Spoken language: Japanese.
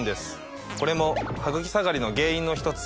これもハグキ下がりの原因の一つ。